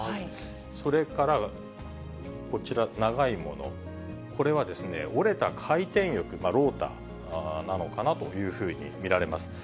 それから、こちら、長いもの、これはですね、折れた回転翼、ローターなのかなというふうに見られます。